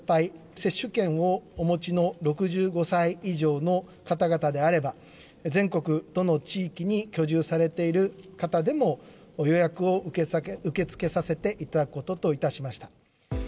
接種券をお持ちの６５歳以上の方々であれば、全国どの地域に居住されている方でも、予約を受け付けさせていただくことといたしました。